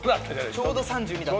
ちょうど３２だった。